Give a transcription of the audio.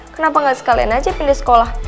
kenapa gak sekalian aja pilih sekolah